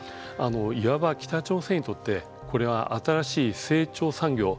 いわば北朝鮮にとってこれは新しい成長産業